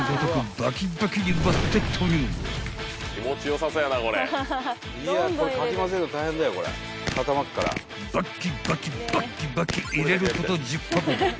［バッキバキバッキバキ入れること］